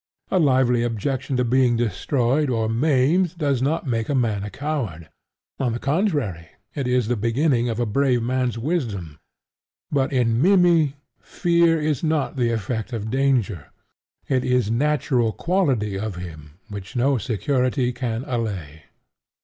A lively objection to being destroyed or maimed does not make a man a coward: on the contrary, it is the beginning of a brave man's wisdom. But in Mimmy, fear is not the effect of danger: it is natural quality of him which no security can allay.